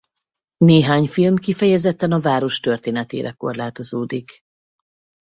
Néhány film kifejezetten a város történetére korlátozódik.